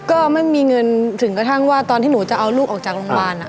ก็ไม่มีเงินถึงกระทั่งว่าตอนที่หนูจะเอาลูกออกจากโรงพยาบาล